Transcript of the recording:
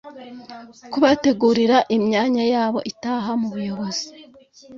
kubategurira imyanya yabo itaha mu buyobozi?